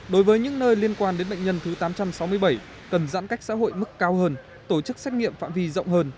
đối với những nơi liên quan đến bệnh nhân thứ tám trăm sáu mươi bảy cần giãn cách xã hội mức cao hơn tổ chức xét nghiệm phạm vi rộng hơn